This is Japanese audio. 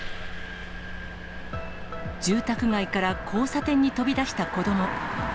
住宅街から交差点に飛び出した子ども。